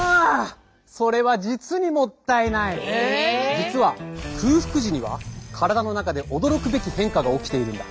実は空腹時には体の中で驚くべき変化が起きているんだ。